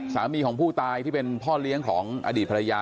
สามีของผู้ตายที่เป็นพ่อเลี้ยงของอดีตภรรยา